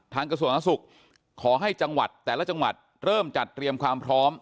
๓ทางกระทรวงศาลนักศึกฯขอให้แต่ละจังหวัดเริ่มจัดเตรียมความพร้อม